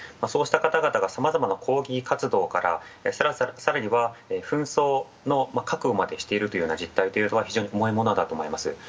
そうした方々がさまざまな抗議活動から、更には紛争の覚悟までしているという実態というのは非常に重いものだと思います。